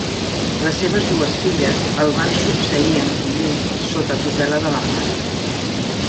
Les seves dues filles el van succeir en comú sota tutela de la mare.